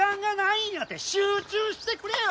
集中してくれよ！